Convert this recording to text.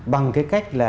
bằng cái cách của chúng ta